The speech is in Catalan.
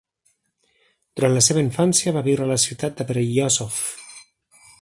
Durant la seva infància va viure a la ciutat de Beryozov.